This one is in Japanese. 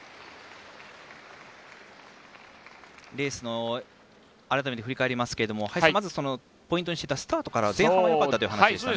レース改めて振り返りますけどもまず、ポイントにしてたスタートから前半はよかったというお話でしたね。